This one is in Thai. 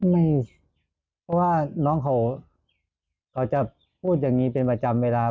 ไม่เพราะว่าน้องเขาจะพูดอย่างนี้เป็นประจำเวลา